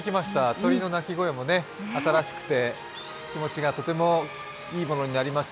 鳥の鳴き声も新しくて気持ちがとてもいいものになりました。